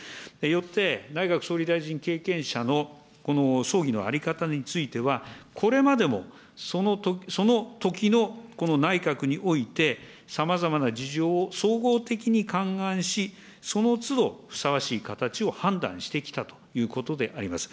よって、内閣総理大臣経験者の葬儀の在り方については、これまでも、そのときのこの内閣において、さまざまな事情を総合的に勘案し、そのつど、ふさわしい形を判断してきたということであります。